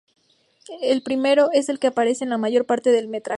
El primero es el que aparece en la mayor parte del metraje.